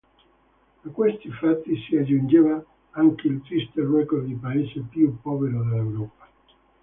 A questi fatti si aggiungeva anche il triste record di paese più povero dell'Europa.